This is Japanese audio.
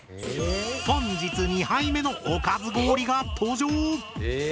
本日二杯目のおかず氷が登場！